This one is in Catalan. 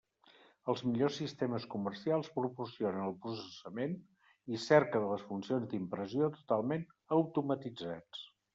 Els millors sistemes comercials proporcionen el processament i cerca de les funcions d'impressió totalment automatitzats.